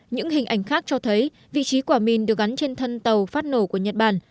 những hình ảnh khác cho thấy vị trí quả mìn được gắn trên thân tàu phát nổ của nhật bản